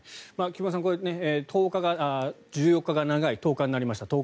菊間さん１４日が長い、１０日なりました